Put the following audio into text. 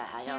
udah aja deh